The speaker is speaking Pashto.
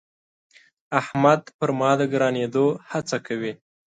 احمد پر ما د ګرانېدو هڅه کوي.